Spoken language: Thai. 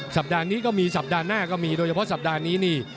สัปดาห์นี้ก็มีสัปดาห์หน้าก็มีโดยเฉพาะสัปดาห์นี้นี่